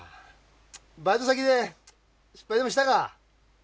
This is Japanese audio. バイト先で失敗でもしたか？